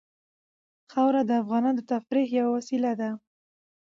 خاوره د افغانانو د تفریح یوه وسیله ده.